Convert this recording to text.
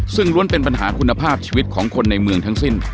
ซึ่งล้วนเป็นปัญหาคุณภาพชีวิตของคนในเมืองทั้งสิ้น